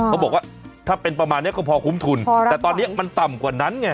เขาบอกว่าถ้าเป็นประมาณนี้ก็พอคุ้มทุนแต่ตอนนี้มันต่ำกว่านั้นไง